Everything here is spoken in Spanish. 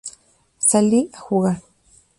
Salí a jugar.